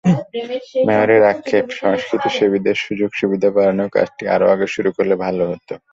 মেয়রের আক্ষেপ, সংস্কৃতিসেবীদের সুযোগ-সুবিধা বাড়ানোর কাজটি আরও আগে শুরু করলে ভালো হতো।